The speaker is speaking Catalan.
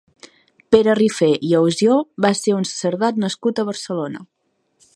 Pere Rifé i Ausió va ser un sacerdot nascut a Barcelona.